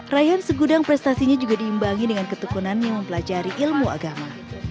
raihan segudang prestasinya juga diimbangi dengan ketekunan yang mempelajari ilmu agama